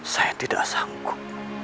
saya tidak sanggup